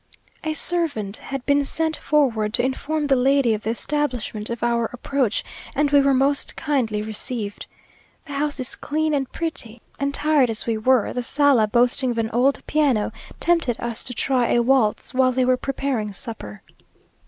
A servant had been sent forward to inform the lady of the establishment of our approach, and we were most kindly received. The house is clean and pretty, and, tired as we were, the sala, boasting of an old piano, tempted us to try a waltz while they were preparing supper.